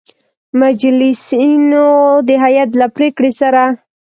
مجلسینو د هیئت له پرېکړې سـره